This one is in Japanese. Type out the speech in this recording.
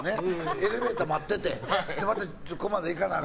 エレベーター待っててそこまでいかなあ